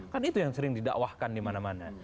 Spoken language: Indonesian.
kan itu yang sering didakwahkan dimana mana